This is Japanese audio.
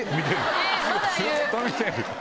ずっと見てる！